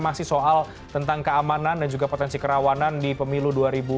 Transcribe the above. masih soal tentang keamanan dan juga potensi kerawanan di pemilu dua ribu dua puluh